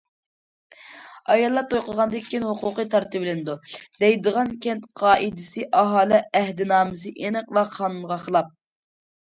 ئاياللار توي قىلغاندىن كېيىن ھوقۇقى تارتىۋېلىنىدۇ، دەيدىغان كەنت قائىدىسى، ئاھالە ئەھدىنامىسى ئېنىقلا قانۇنغا خىلاپ.